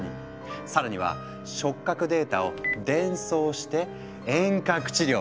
さらには触覚データを伝送して遠隔治療！